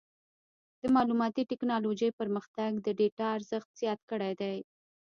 د معلوماتي ټکنالوجۍ پرمختګ د ډیټا ارزښت زیات کړی دی.